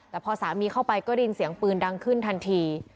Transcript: แต่พอสามีเข้าไปก็ได้ยินเสียงปืนดังขึ้นทันที